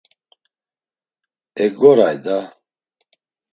E goray da!